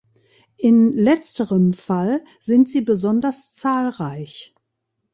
In letzterem Fall sind sie besonders zahlreich.